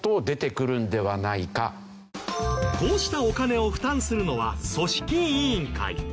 こうしたお金を負担するのは組織委員会。